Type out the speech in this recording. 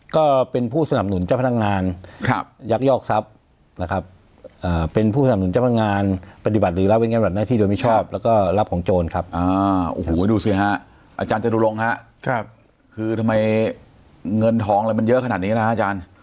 ข้อหาอะไรครับก็เป็นผู้สนับหนุนเจ้าพนักงานครับยักษ์ยอกทรัพย์นะครับ